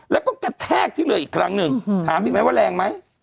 แล้วก็กระแทกที่เรืออีกครั้งหนึ่งถามอีกไหมว่าแรงไหม